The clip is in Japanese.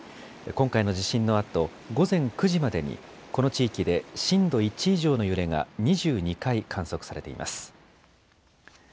今回の地震のあと午前９時までにこの地域で震度１以上の揺れが２２回観測されています。